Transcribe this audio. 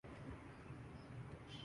اس کی اپنی ہی بات ہے۔